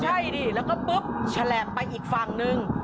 ใช่ดิแล้วก็ปุ๊บแฉลบไปอีกฝั่งนึง